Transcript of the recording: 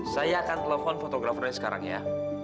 saya akan telepon fotografernya sekarang ya